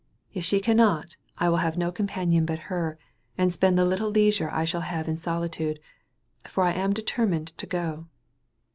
If she cannot I will have no companion but her, and spend the little leisure I shall have in solitude, for I am determined to go."